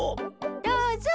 どうぞ。